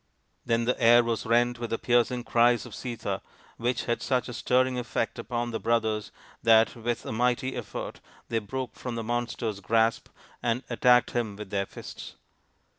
Then the air was rent with the piercing cries of Sita, which had such a stirring effect upon the brothers that with a mighty effort they broke from the monster's grasp and attacked him with their fists.